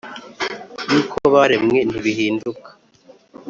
y’uko baremwe, ntibihinduka